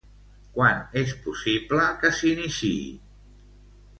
Quan és possible que s'iniciï?